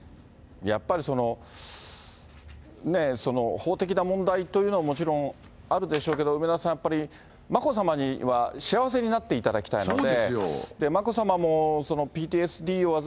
やっぱり法的な問題というのはもちろんあるでしょうけど、梅沢さん、やっぱり眞子さまには幸せになっていただきたいので。